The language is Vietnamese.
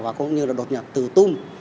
và cũng như là đột nhập từ tùm